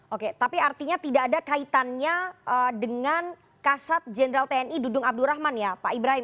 oke tapi artinya tidak ada kaitannya dengan kasat jenderal tni dudung abdurrahman ya pak ibrahim